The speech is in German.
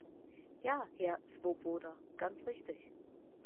Ja, Herr Swoboda, ganz richtig.